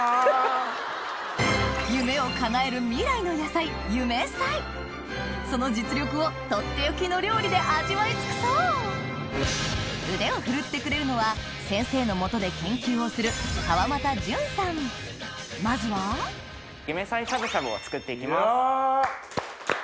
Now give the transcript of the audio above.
夢をかなえる未来の野菜その実力をとっておきの料理で味わい尽くそう腕を振るってくれるのは先生の下で研究をするまずは夢菜しゃぶしゃぶを作って行きます。